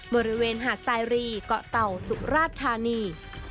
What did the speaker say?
บริเวณหาดสายรีเกาะเต่าสุราชธานี